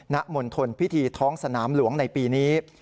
ณมณฑลพิธีท้องสนามหลวงในปีนี้